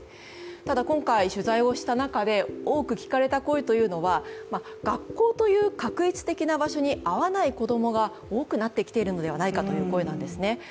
ただ今回、取材をした中で多く聞かれた声というのは学校という画一的な場に合わない子供が多くなってきているのではないかという声なんですね。